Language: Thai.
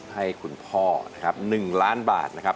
ให้คุณพ่อนะครับ๑ล้านบาทนะครับ